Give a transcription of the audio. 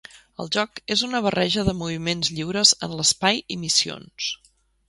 El joc és una barreja de moviments lliures en l'espai i missions.